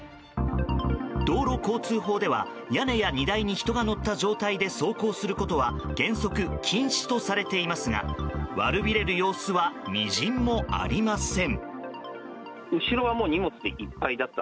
道路交通法では屋根や荷台に人が乗った状態で走行することは原則禁止とされていますが悪びれる様子はみじんもありません。